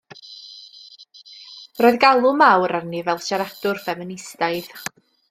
Roedd galw mawr arni fel siaradwr ffeministaidd.